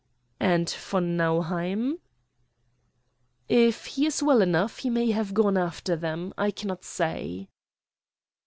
"And von Nauheim?" "If he is well enough he may have gone after them. I cannot say."